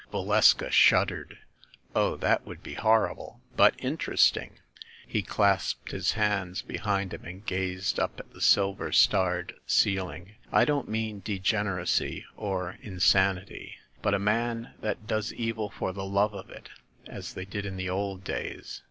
Valeska shuddered. "Oh, that would be horrible !" "But interesting." He clasped his hands behind him and gazed up at the silver starred ceiling. "I don't mean degeneracy or insanity, but a man that does evil for the love of it, as they did in the old days.